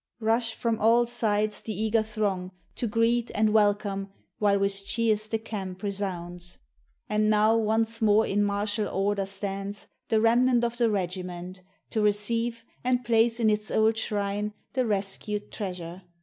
Rush from all sides the eager throng to greet And welcome while with cheers the camp resounds. And now once more in martial order stands The remnant of the regiment, to receive And place in its old shrine the rescued treasure.